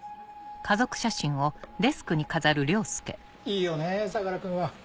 いいよね相良君は。